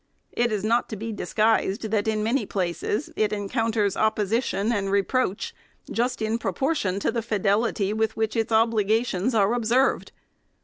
It is not to be disguised, that, in many places, it encounters oppo sition and reproach, just in proportion to the fidelity with which its obligations are observed.